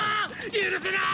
許せない！